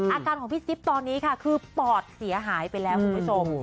อาการของพี่จิ๊บตอนนี้ค่ะคือปอดเสียหายไปแล้วคุณผู้ชม